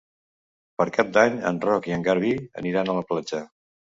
Per Cap d'Any en Roc i en Garbí aniran a la platja.